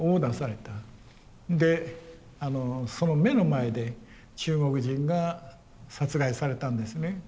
でその目の前で中国人が殺害されたんですね。